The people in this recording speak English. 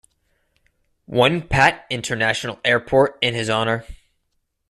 Won Pat International Airport in his honor.